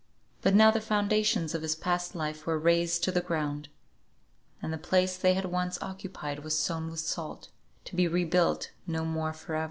But now the foundations of his past life were razed to the ground, and the place they had once occupied was sown with salt, to be for ever rebuilt no more.